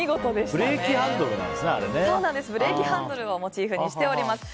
ブレーキハンドルをモチーフにしています。